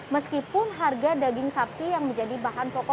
meskipun harga daging sapi yang menjadi bahan pokok